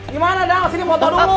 gimana dang sini foto dulu